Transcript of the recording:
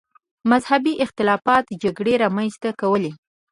مذهبي اختلافات جګړې رامنځته کولې.